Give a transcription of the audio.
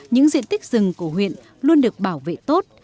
những diện tích rừng của huyện luôn được bảo vệ tốt